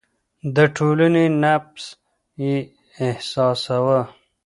د ټولنې نبض يې احساساوه.